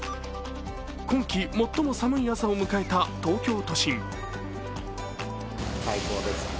今季、最も寒い朝を迎えた、東京都心。